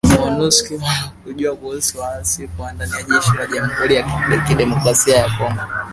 Monusco wanajua kuhusu waasi kuwa ndani ya jeshi la jamhuri ya kidemokrasia ya Kongo